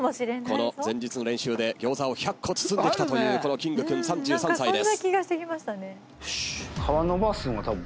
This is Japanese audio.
この前日の練習で餃子を１００個包んできたというキングくん３３歳です。